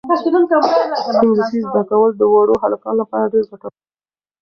انګلیسي زده کول د وړو هلکانو لپاره ډېر ګټور دي.